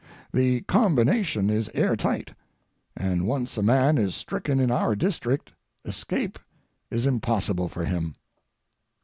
The combination is air tight, and once a man is stricken in our district escape is impossible for him.